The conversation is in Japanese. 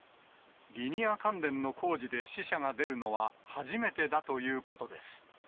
リニア関連の工事で死者が出るのは初めてだということです。